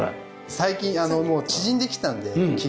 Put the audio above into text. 最近もう縮んできたので木が。